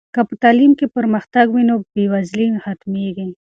که په تعلیم کې پرمختګ وي نو بې وزلي ختمېږي.